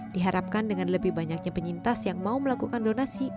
diharapkan dengan lebih banyaknya penyintas yang mau melakukan donasi